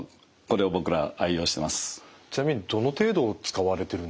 ちなみにどの程度使われているんでしょう？